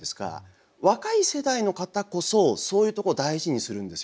若い世代の方こそそういうとこを大事にするんですよね。